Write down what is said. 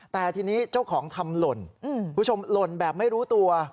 แต่ทีนี้เจ้าของทำหล่นคุณผู้ชมหล่นแบบไม่รู้ตัว